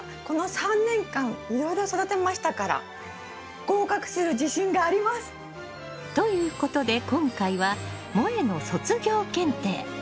この３年間いろいろ育てましたから合格する自信があります！ということで今回はもえの卒業検定。